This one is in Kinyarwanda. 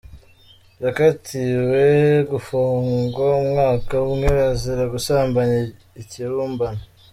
Yakatiwe gufungwa umwaka umwe azira gusambanya ikibumbano